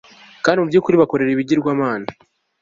kandi mu byukuri bakorera ibigirwamana